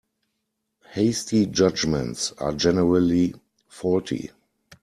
Hasty judgements are generally faulty.